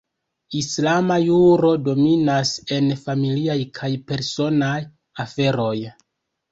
Islama juro dominas en familiaj kaj personaj aferoj.